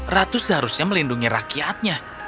ratu seharusnya melindungi rakyatnya